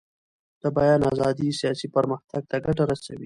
د بیان ازادي سیاسي پرمختګ ته ګټه رسوي